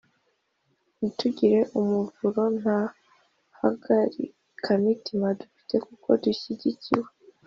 ntitugira umuvuro: nta hagarikamutima dufite kuko dushyigikiwe